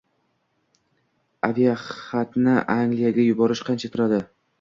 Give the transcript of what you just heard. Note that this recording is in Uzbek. Aviaxatni Angliyaga yuborish qancha turadi?